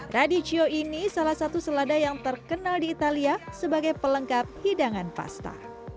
radicio ini salah satu selada yang terkenal di italia sebagai pelengkap hidangan pasta